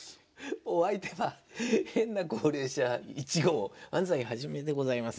お相手は変な高齢者１号安齋肇でございます。